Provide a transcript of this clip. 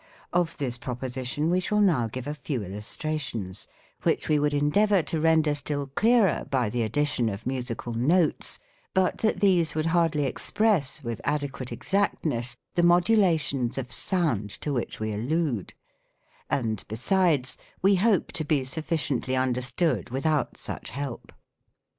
Of this proposition wc shall now give a i^ew illustrations, which we would en deavor to render still clearer by the addition of musical uotes, but that these would hardly express, with adequate exactness, the modulations of sound to which we allude; and besides, we hope to be sufficiently understood with out such help.